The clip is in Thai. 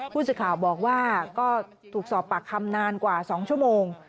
ผู้สื่อข่าวบอกว่าก็ถูกสอบปากคำนานกว่า๒ชั่วโมง